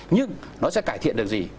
nhưng nó sẽ cải thiện được gì